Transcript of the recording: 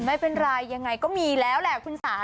ไม่เป็นไรยังไงก็มีแล้วแหละคุณสา